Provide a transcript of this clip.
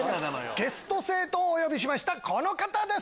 ゲスト生徒をお呼びしましたこの方です！